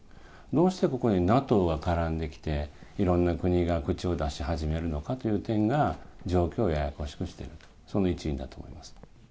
どうしてここにＮＡＴＯが絡んできて、いろんな国が口を出し始めるのかという点が、状況をややこしくしていると、その一因だと思います。